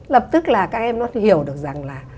lập tức là các em nó hiểu được rằng là